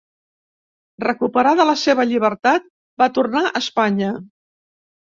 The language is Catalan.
Recuperada la seva llibertat, va tornar a Espanya.